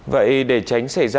vậy để tránh xảy ra